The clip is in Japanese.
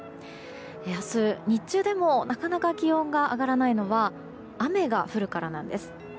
明日、日中でもなかなか気温が上がらないのは雨が降るからなんです。